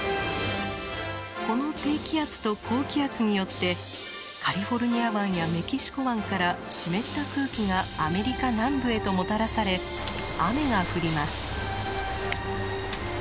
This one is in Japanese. この低気圧と高気圧によってカリフォルニア湾やメキシコ湾から湿った空気がアメリカ南部へともたらされ雨が降ります。